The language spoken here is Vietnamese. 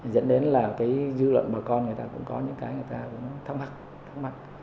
dẫn đến là cái dư luận bà con người ta cũng có những cái người ta cũng thắc mắc